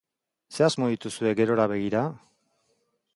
Zer asmo dituzue gerora begira?